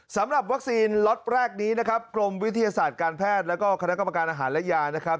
สำหรับวัคซีนล็อตแรกนี้นะครับกรมวิทยาศาสตร์การแพทย์แล้วก็คณะกรรมการอาหารและยานะครับ